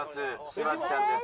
柴っちゃんです。